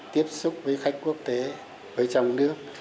tiếp xúc với khách quốc tế với trong nước